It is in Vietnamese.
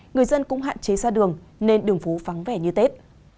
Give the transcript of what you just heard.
người dân cũng hạn chế ra đường nên đường phố vắng vẻ như tết